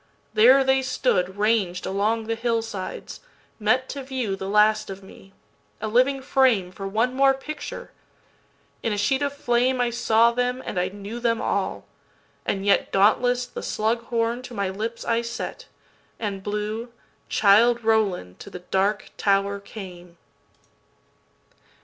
There they stood, ranged along the hill sides, metTo view the last of me, a living frameFor one more picture! in a sheet of flameI saw them and I knew them all. And yetDauntless the slug horn to my lips I set, And blew "Childe Roland to the Dark Tower came."